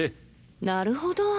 なるほど。